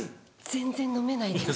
全然飲めないんです。